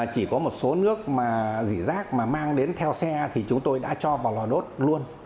chỉ có một số nước mà dỉ rác mà mang đến theo xe thì chúng tôi đã cho vào lò đốt luôn